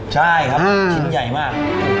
ใช่ครับชิ้นใหญ่มาก